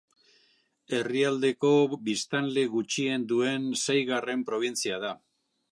Herrialdeko biztanle gutxien duen seigarren probintzia da.